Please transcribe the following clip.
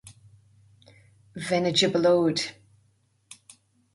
bheinn i dtrioblóid